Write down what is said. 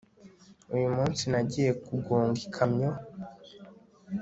uyu munsi, nagiye kugonga ikamyo